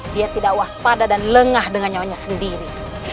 dia tidak waspada dan lengah dengan nyawanya sendiri